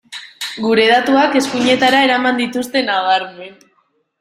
Gure datuak eskuinetara eraman dituzte nabarmen.